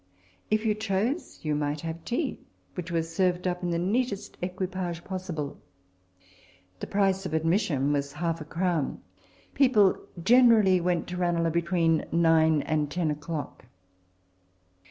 If you chose, you might have tea, which was served up in the neatest equi page possible. The price of admission was half a crown. People generally went to Ranelagh between nine and ten o'clock.